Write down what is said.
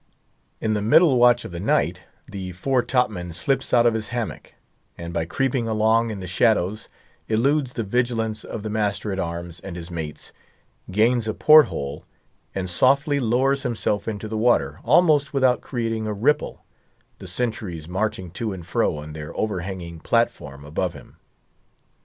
In the middle watch of the night, the fore top man slips out of his hammock, and by creeping along in the shadows, eludes the vigilance of the master at arms and his mates, gains a port hole, and softly lowers himself into the water, almost without creating a ripple—the sentries marching to and fro on their overhanging platform above him.